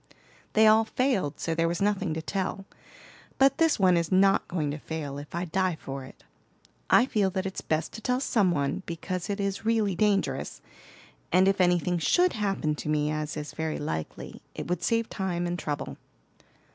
"They all failed, so there was nothing to tell. But this one is not going to fail, if I die for it. I feel that it's best to tell some one, because it is really dangerous; and if anything should happen to me, as is very likely, it would save time and trouble."